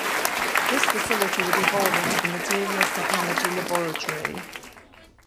This facility would evolve into the Materials Technology Laboratory.